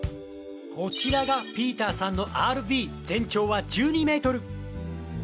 こちらがピーターさんのＲＶ全長は１２メートル。